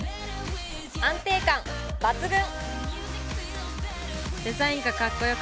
安定感抜群。